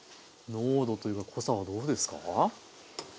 濃度というか濃さはどうですか？